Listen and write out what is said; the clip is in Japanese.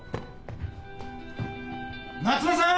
夏目さん！